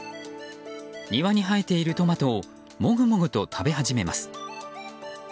庭に生えているトマトをもぐもぐと食べ始めます。